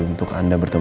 untuk anda bertemu